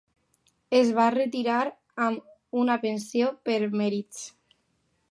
Es va retirar amb una pensió per mèrits.